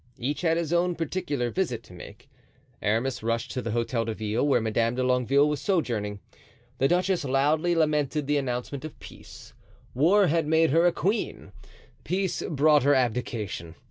Each had his own particular visit to make. Aramis rushed to the Hotel de Ville, where Madame de Longueville was sojourning. The duchess loudly lamented the announcement of peace. War had made her a queen; peace brought her abdication.